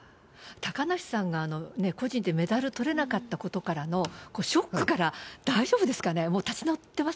高梨さんが個人でメダルとれなかったことからのショックから大丈夫ですかね？